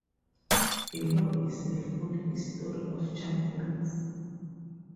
Below is the full history of champions.